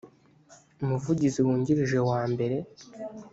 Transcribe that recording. umuvugizi wungirije wa mbere